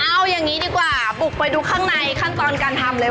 เอาอย่างนี้ดีกว่าบุกไปดูข้างในขั้นตอนการทำเลย